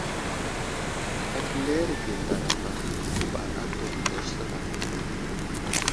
Apəleerge ndaraba i guɓar atu ənta səlay.